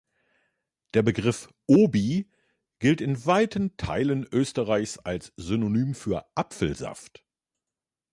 Der Begriff Obi gilt in weiten Teilen Österreichs als Synonym für Apfelsaft.